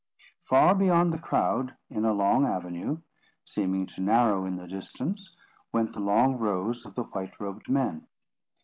Far beyond the crowd, in a long avenue, seeming to narrow in the distance, went the long rows of the white robed men.